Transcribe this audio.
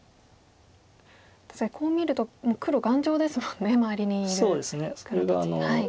確かにこう見るともう黒頑丈ですもんね周りにいる黒たち。